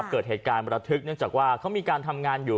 เกิดเหตุการณ์ประทึกเนื่องจากว่าเขามีการทำงานอยู่